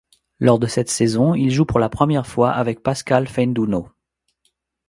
Lors de cette saison, il joue pour la première fois avec Pascal Feindouno.